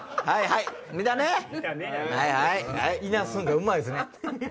いなすんがうまいっすね。